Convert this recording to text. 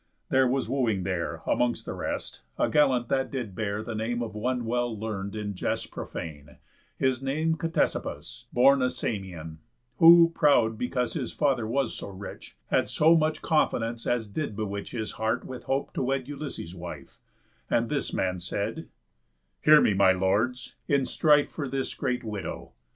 There was wooing there, Amongst the rest, a gallant that did bear The name of one well learn'd in jests profane, His name Ctesippus, born a Samian; Who, proud because his father was so rich, Had so much confidence as did bewitch His heart with hope to wed Ulysses' wife; And this man said: "Hear me, my lords, in strife For this great widow.